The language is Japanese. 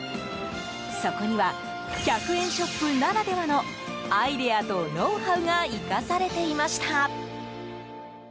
そこには１００円ショップならではのアイデアとノウハウが生かされていました。